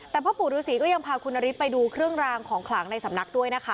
แต่พ่อปู่ฤษีก็ยังพาคุณนฤทธิไปดูเครื่องรางของขลังในสำนักด้วยนะคะ